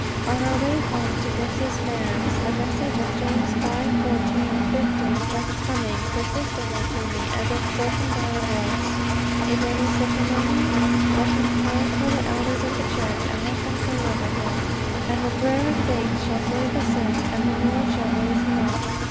On our way home to Mrs. Fan's, the message of James 5:14, 15, kept coming persistently to me, as if spoken by a voice: "Is any sick among you? let him call for the elders of the church; and let them pray over him, ... and the prayer of faith shall save the sick, and the Lord shall raise him up."